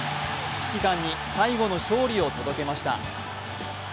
指揮官に最後の勝利を届けました。